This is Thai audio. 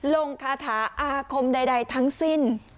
ลงคาถาอาคมใดทั้งสิ้น